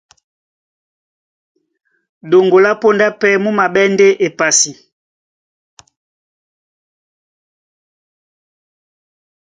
Ɗoŋgo lá póndá pɛ́ mú maɓɛ́ ndé epasi.